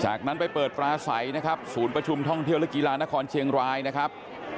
จากนั้นไปเปิดปลาใสนะครับศูนย์ประชุมท่องเที่ยวและกีฬานครเชียงรายนะครับ